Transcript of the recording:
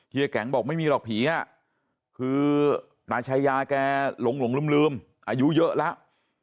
แก๊งบอกไม่มีหรอกผีคือตาชายาแกหลงลืมอายุเยอะแล้ว